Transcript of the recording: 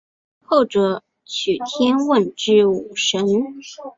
后者娶天之瓮主神。